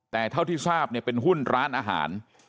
แต่เท่าที่ทราบเนี่ยเป็นหุ้นร้านอาหาร